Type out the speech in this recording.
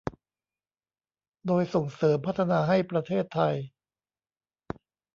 โดยส่งเสริมพัฒนาให้ประเทศไทย